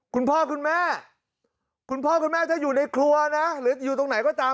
คุณพ่อคุณแม่คุณพ่อคุณแม่ถ้าอยู่ในครัวนะหรืออยู่ตรงไหนก็ตาม